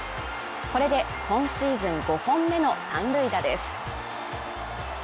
これで今シーズン５本目の三塁打です。